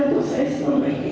untuk saya semua ini